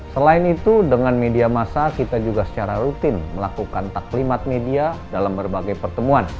selain itu dengan media massa kita juga secara rutin melakukan taklimat media dalam berbagai pertemuan